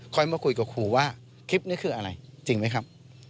มาคุยกับครูว่าคลิปนี้คืออะไรจริงไหมครับ